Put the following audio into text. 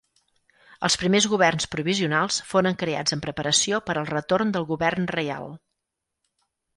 Els primers governs provisionals foren creats en preparació per al retorn del govern reial.